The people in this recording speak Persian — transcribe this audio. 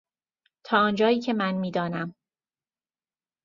تا آنجایی که من میدانم.